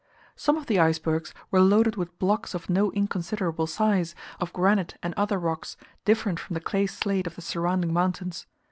Some of the icebergs were loaded with blocks of no inconsiderable size, of granite and other rocks, different from the clay slate of the surrounding mountains.